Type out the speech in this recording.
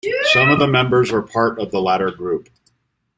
Some of their members were part of the latter group.